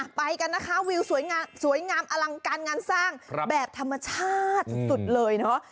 ไปกันนะคะวิวสวยงามอลังการงานสร้างแบบธรรมชาติสุดเลยเนาะ